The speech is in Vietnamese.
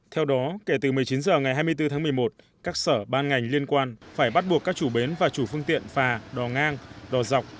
theo đó kể từ một mươi chín h ngày hai mươi bốn tháng một mươi một các sở ban ngành liên quan phải bắt buộc các chủ bến và chủ phương tiện phà đò ngang đò dọc